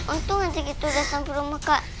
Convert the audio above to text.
untung aja gitu udah sampai rumah kak